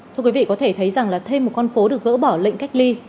thưa quý vị có thể thấy rằng là thêm một con phố được gỡ bỏ lệnh cách ly